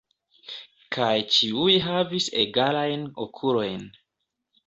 Kaj ĉiuj havis egalajn okulojn.